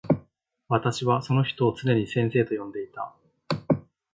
私はその人をつねに先生と呼んでいた。